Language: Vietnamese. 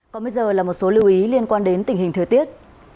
còn bây giờ là một số lưu ý liên quan đến tình hình thời tiết